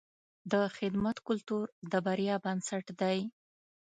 د خدمت کلتور د بریا بنسټ دی.